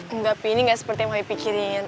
enggak tapi ini gak seperti yang kami pikirin